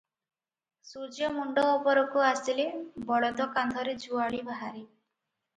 ସୂର୍ଯ୍ୟ ମୁଣ୍ତ ଉପରକୁ ଆସିଲେ ବଳଦ କାନ୍ଧରେ ଯୁଆଳି ବାହାରେ ।